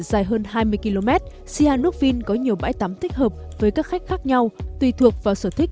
dài hơn hai mươi km sihanok vin có nhiều bãi tắm thích hợp với các khách khác nhau tùy thuộc vào sở thích